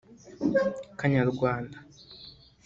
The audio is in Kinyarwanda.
Kanyarwanda